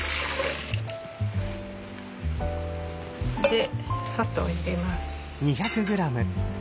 で砂糖入れます。